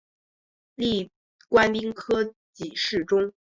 历官兵科给事中。